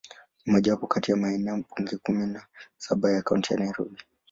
Ni mojawapo kati ya maeneo bunge kumi na saba ya Kaunti ya Nairobi.